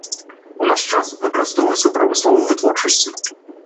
У наш час выкарыстоўваецца ў прамысловай вытворчасці.